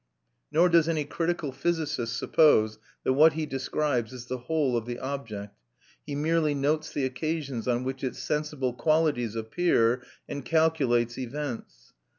Nor does any critical physicist suppose that what he describes is the whole of the object; he merely notes the occasions on which its sensible qualities appear, and calculates events.